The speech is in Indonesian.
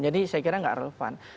jadi saya kira tidak relevan